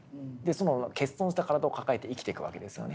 その欠損した体を抱えて生きていくわけですよね。